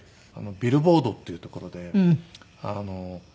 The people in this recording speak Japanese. ビルボードっていう所で１０回ほど。